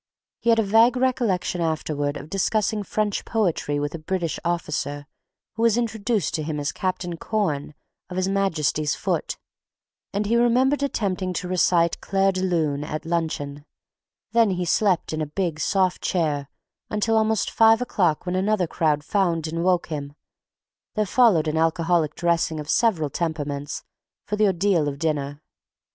He had a vague recollection afterward of discussing French poetry with a British officer who was introduced to him as "Captain Corn, of his Majesty's Foot," and he remembered attempting to recite "Clair de Lune" at luncheon; then he slept in a big, soft chair until almost five o'clock when another crowd found and woke him; there followed an alcoholic dressing of several temperaments for the ordeal of dinner.